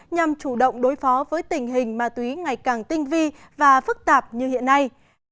nhằm chủ động đối phó với tình hình ma túy ngày càng tinh vi và phức tạp như hiện nay